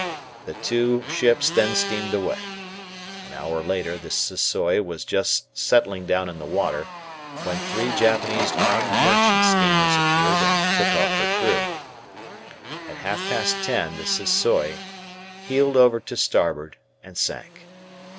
The two ships then steamed away. An hour later the "Sissoi" was just settling down in the water, when three Japanese armed merchant steamers appeared and took off her crew. At half past ten the "Sissoi" heeled over to starboard and sank.